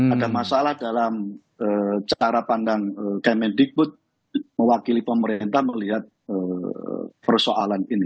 ada masalah dalam cara pandang kemendikbud mewakili pemerintah melihat persoalan ini